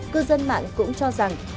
cư dân mạng cũng cho rằng